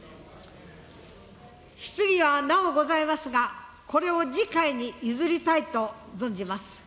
質疑がなおございますが、これを次会に譲りたいと存じます。